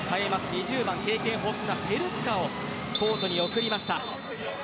２０番、経験豊富なペルッカをコートに送りました。